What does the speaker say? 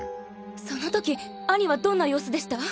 その時兄はどんな様子でした？